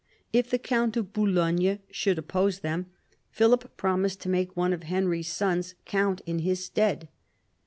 If the count of Boulogne should oppose them, Philip promised to make one of Henry's sons count in his stead.